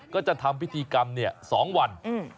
ก็จะทำพิธีกรรมเนี่ยสองวันอืม